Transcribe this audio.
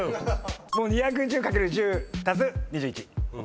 もう２１０×１０足す２１。